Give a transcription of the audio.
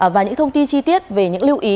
và những thông tin chi tiết về những lưu ý